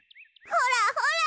ほらほら！